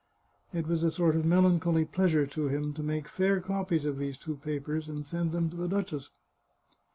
It was a sort of melancholy pleasure to him to make fair copies of these two papers, and send them to the duchess.